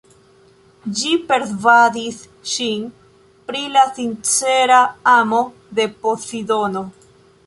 Ĝi persvadis ŝin pri la sincera amo de Pozidono.